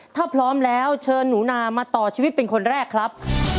ถ้าพร้อมแล้วเชิญหนูนามาต่อชีวิตเป็นคนแรกครับ